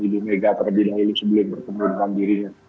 ido mega terdidahili sebelum bertemu dengan dirinya